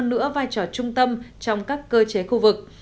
và phát huy hơn nữa vai trò trung tâm trong các cơ chế khu vực